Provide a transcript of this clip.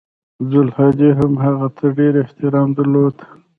عبدالهادي هم هغه ته ډېر احترام درلود.